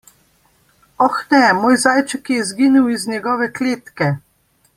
Oh ne, moj zajček je izginil iz njegove kletke!